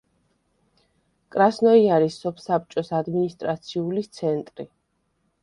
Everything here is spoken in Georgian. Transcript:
კრასნოიარის სოფსაბჭოს ადმინისტრაციული ცენტრი.